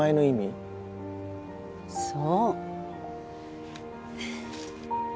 そう。